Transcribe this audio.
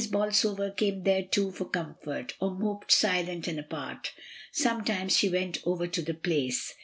Bolsover came there too for com fort, or moped silent and apart Sometimes she went over to the Place.